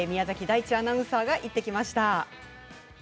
大地アナウンサーが行ってきました。